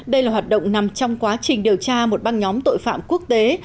đây là hoạt động nằm trong quá trình điều tra một băng nhóm tội phạm quốc tế